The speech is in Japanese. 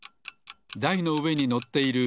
だいのうえにのっている